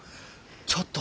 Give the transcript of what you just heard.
ちょっと。